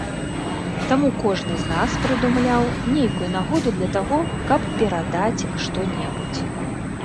Таму кожны з нас прыдумляў нейкую нагоду для таго, каб перадаць што-небудзь.